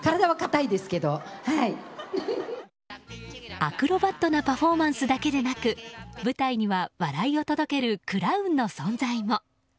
アクロバットなパフォーマンスだけでなく舞台には笑いを届けるクラウンの存在も。